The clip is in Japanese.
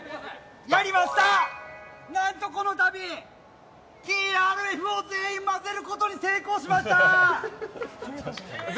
何と、このたびＴＲＦを全員混ぜることに成功しました！